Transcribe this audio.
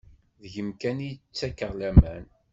Deg-m kan i ttakeɣ laman.